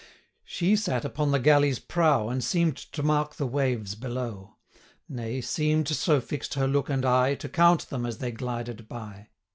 She sate upon the galley's prow, And seem'd to mark the waves below; 100 Nay, seem'd, so fix'd her look and eye, To count them as they glided by.